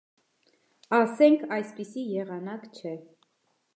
Ասենք, այսպիսի եղանակ չէ: